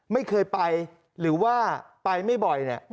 ไม่เคยไปหรือว่าไปไม่บ่อยเนี่ย